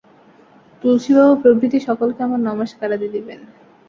তুলসী বাবু প্রভৃতি সকলকে আমার নমস্কারাদি দিবেন।